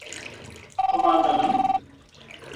Kumandanım.